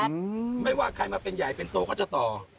อืมไม่ว่าใครมาเป็นใหญ่เป็นโตก็จะต่อ